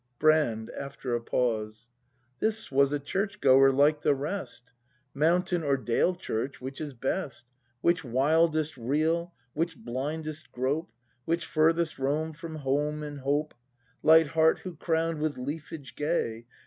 Brand. [After a paiise.] This was a church goer, like the rest. Mountain or Dale church, which is best? Which wildest reel, which blindest grope, Which furthest roam from home and hope: — Light heart who, crown'd with leafage gay.